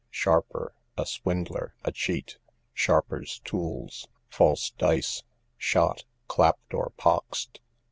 Sharper, a swindler, a cheat. Sharper's tools, false dice. Shot, clapped or poxed.